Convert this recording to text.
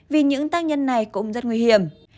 vì những tác nhân này cũng rất nguy hiểm